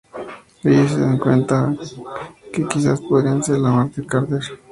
Ellos se dan cuenta que quizás podría ser la mente de Carter.